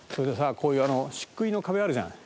こういう漆喰の壁あるじゃない。